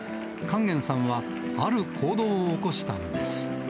勸玄さんはある行動を起こしたんです。